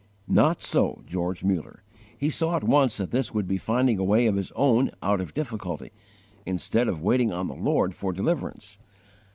Not so George Muller. He saw at once that this would be _finding a way of his own out of difficulty, instead of waiting on the Lord for deliverance.